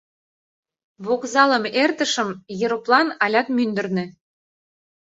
Вокзалым эртышым, ероплан алят мӱндырнӧ.